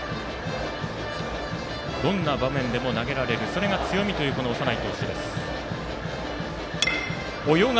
どんな場面でも投げられるのが強みという長内投手です。